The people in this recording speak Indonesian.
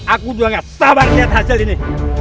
aku juga gak sabar lihat hasil ini